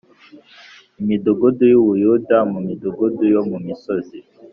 imidugudu y u Buyuda mu midugudu yo mu misozi